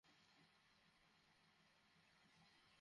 আচ্ছা তাহলে, নিজের ব্যাপারে কিছু বলো।